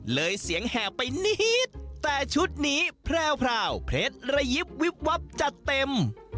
เสียงแห่ไปนิดแต่ชุดนี้แพรวเพล็ดระยิบวิบวับจัดเต็ม